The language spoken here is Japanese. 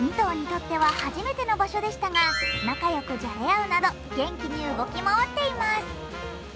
２頭にとっては初めての場所でしたが、仲良くじゃれ合うなど元気に動き回っています。